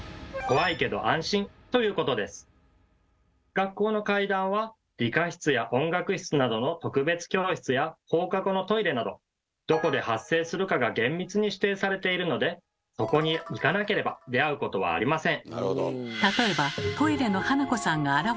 学校の怪談は理科室や音楽室などの特別教室や放課後のトイレなどどこで発生するかが厳密に指定されているのでそこに行かなければ出会うことはありません。